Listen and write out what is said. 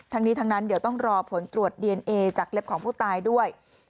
ทั้งนี้ทั้งนั้นเดี๋ยวต้องรอผลตรวจดีเอนเอจากเล็บของผู้ตายด้วย